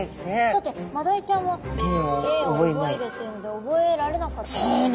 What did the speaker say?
だってマダイちゃんは芸を覚えるっていうので覚えられなかったんですもんね。